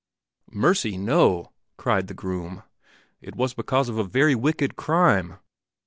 "Mercy, no!" cried the groom. "It was because of a very wicked crime!